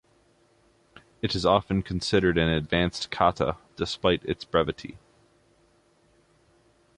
It is often considered an advanced kata, despite its brevity.